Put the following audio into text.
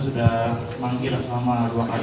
sudah manggil selama dua kali